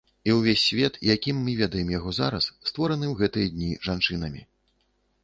І ўвесь свет, якім мы ведаем яго зараз, створаны ў гэтыя дні жанчынамі.